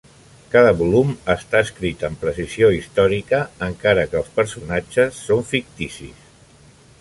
Cada volum està escrit amb precisió històrica, encara que els personatges són ficticis.